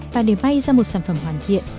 và để may ra một sản phẩm hoàn thiện